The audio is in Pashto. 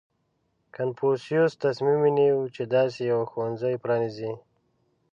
• کنفوسیوس تصمیم ونیو، چې داسې یو ښوونځی پرانېزي.